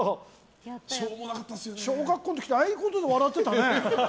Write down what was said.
小学校の時はああいうことで笑ってたね。